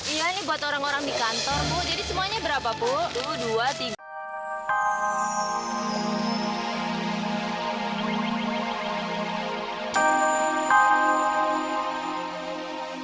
iya ini buat orang orang di kantor bu